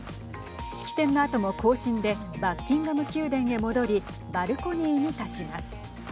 式典のあとも行進でバッキンガム宮殿に戻りバルコニーに立ちます。